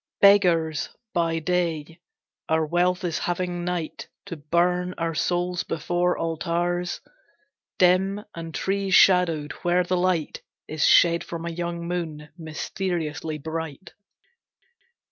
Beggars By day, our wealth is having night To burn our souls before altars Dim and tree shadowed, where the light Is shed from a young moon, mysteriously bright.